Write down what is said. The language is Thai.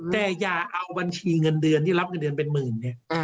แต่อย่าเอาบัญชีเงินเดือนที่รับเงินเดือนเป็นหมื่นเนี่ย